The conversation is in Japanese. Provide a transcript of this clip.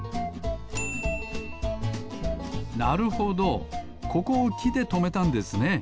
なるほどここをきでとめたんですね。